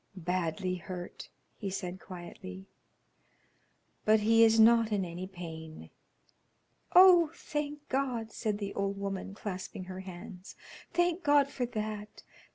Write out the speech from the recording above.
"Badly hurt," he said, quietly, "but he is not in any pain." "Oh, thank God!" said the old woman, clasping her hands. "Thank God for that!